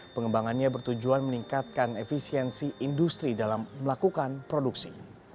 pengembangannya bertujuan meningkatkan efisiensi industri dalam melakukan produksi